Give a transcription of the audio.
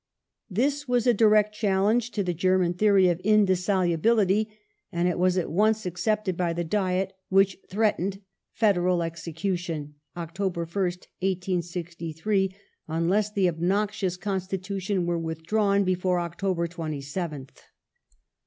This was a direct challenge to the German theory of " indissolubility," and it was at once accepted by the Diet, which threatened " Federal execution " (Oct. 1st, 1863) unless the obnoxious Constitution were withdrawn before October 27th.